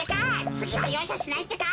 つぎはようしゃしないってか！